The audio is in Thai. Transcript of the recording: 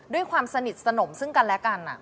ด้วยความสนิทสนมซึ่งกันและกัน